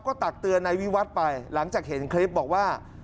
ก็ตักเตือนนายวิวัตรไปหลังจากเห็นคลิปบอกว่า